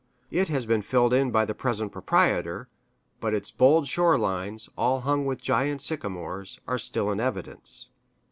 It has been filled in by the present proprietor, but its bold shore lines, all hung with giant sycamores, are still in evidence.